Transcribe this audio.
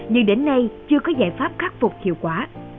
nhưng đến nay chưa có giải pháp khắc phục hiệu quả